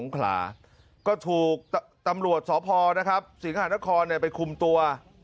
ก็ถูกตำรวจสภสิงหาดนครไปคุมตัว